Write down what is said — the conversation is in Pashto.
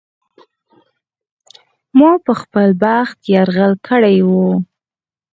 ما په خپل بخت یرغل کړی و.